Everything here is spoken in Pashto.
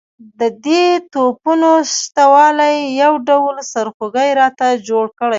د دې توپونو شته والی یو ډول سرخوږی راته جوړ کړی وو.